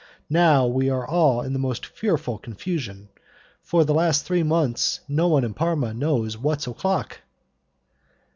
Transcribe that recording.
Now we are all in the most fearful confusion, and for the last three months no one in Parma knows what's o'clock."